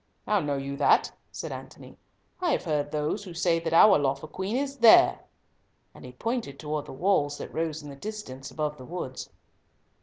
"How know you that?" said Antony. "I have heard those who say that our lawful Queen is there," and he pointed towards the walls that rose in the distance above the woods.